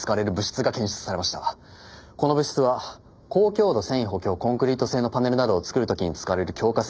この物質は高強度繊維補強コンクリート製のパネルなどを作る時に使われる強化